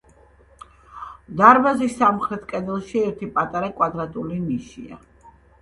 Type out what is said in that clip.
დარბაზის სამხრეთ კედელში ერთი პატარა, კვადრატული ნიშია.